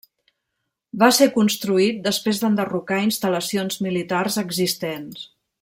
Va ser construït després d'enderrocar instal·lacions militars existents.